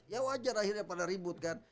ya wajar akhirnya pada ribut kan